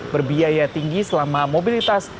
berbiaya tinggi selama mobilitas